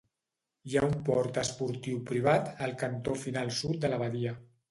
Hi ha un port esportiu privat al cantó final sud de la badia.